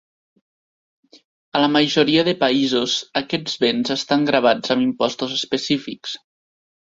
A la majoria de països, aquests béns estan gravats amb impostos específics.